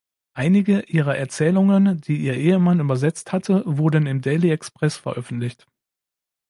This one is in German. Einige ihrer Erzählungen, die ihr Ehemann übersetzt hatte, wurden im "Daily Express" veröffentlicht.